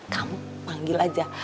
kamu panggil aja